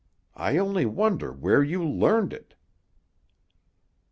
I only wonder where you learned it."